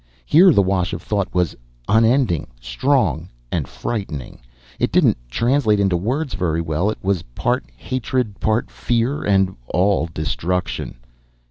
Here the wash of thought was unending, strong and frightening. It didn't translate into words very well. It was part hatred, part fear and all destruction.